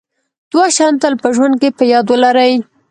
دوه شیان تل په ژوند کې په یاد ولرئ.